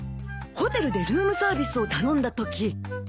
ホテルでルームサービスを頼んだとき。